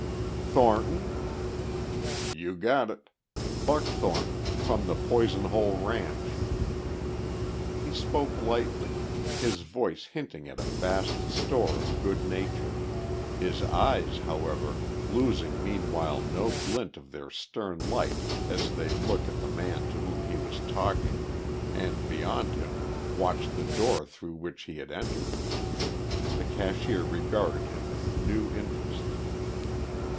"Thornton?" "You got it. Buck Thornton, from the Poison Hole ranch." He spoke lightly, his voice hinting at a vast store of good nature, his eyes, however, losing meanwhile no glint of their stern light as they looked at the man to whom he was talking and beyond him watched the door through which he had entered. The cashier regarded him with new interest.